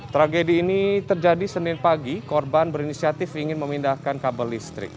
tragedi ini terjadi senin pagi korban berinisiatif ingin memindahkan kabel listrik